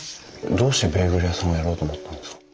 どうしてベーグル屋さんをやろうと思ったんですか？